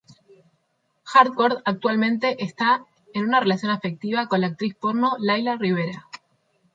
Hardcore actualmente está en una relación afectiva con la actriz porno Layla Rivera.